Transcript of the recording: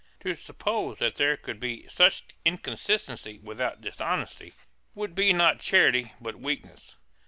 To suppose that there could be such inconsistency without dishonesty would be not charity but weakness.